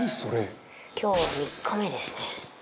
今日は３日目ですね。